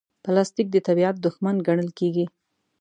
پلاستيک د طبیعت دښمن ګڼل کېږي.